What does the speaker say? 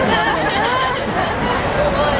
ไม่ได้เจอในคุณหรอก